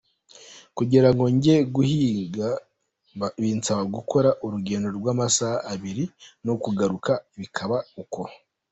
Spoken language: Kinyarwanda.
"Kugira ngo njye guhinga binsaba gukora urugendo rw'amasaha abiri, no kugaruka bikaba uko.